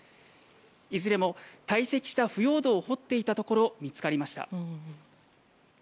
いずれも堆積した腐葉土を掘っていたところ見つかりました。